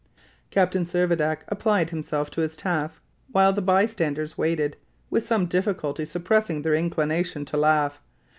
Captain Servadac applied himself to his task while the by standers waited, with some difficulty suppressing their inclination to laugh.